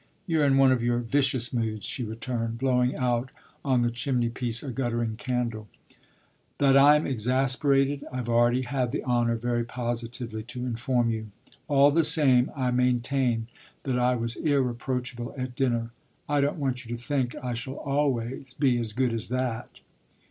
You're in one of your vicious moods," she returned, blowing out on the chimney piece a guttering candle. "That I'm exasperated I've already had the honour very positively to inform you. All the same I maintain that I was irreproachable at dinner. I don't want you to think I shall always be as good as that."